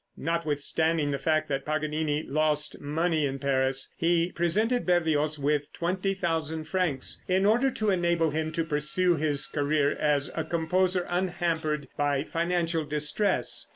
Notwithstanding the fact that Paganini lost money in Paris, he presented Berlioz with 20,000 francs, in order to enable him to pursue his career as a composer unhampered by financial distress.